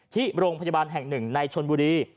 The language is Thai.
ที่โรงพยาบาลแห่งหนึ่งในชนบุรี